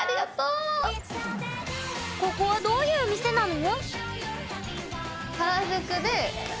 ここはどういう店なの？